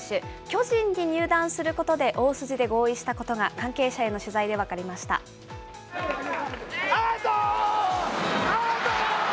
巨人に入団することで、大筋で合意したことが、関係者への取材で熱男！